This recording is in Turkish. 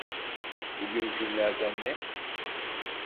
Bugün günlerden ne?